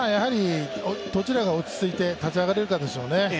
どちらが落ち着いて立ち上がれるかでしょうね。